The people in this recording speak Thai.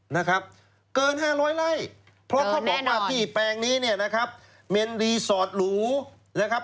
นะครับเกินห้าร้อยไล่เกินแน่นอนเพราะเขาบอกว่าที่แปลงนี้เนี่ยนะครับ